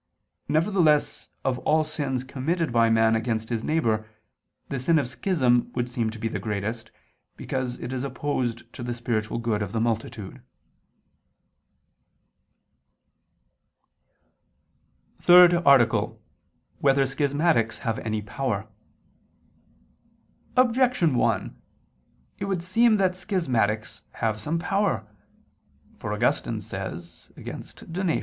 Nevertheless of all sins committed by man against his neighbor, the sin of schism would seem to be the greatest, because it is opposed to the spiritual good of the multitude. _______________________ THIRD ARTICLE [II II, Q. 39, Art. 3] Whether Schismatics Have Any Power? Objection 1: It would seem that schismatics have some power. For Augustine says (Contra Donat.